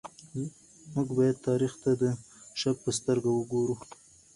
موږ بايد تاريخ ته د شک په سترګه وګورو.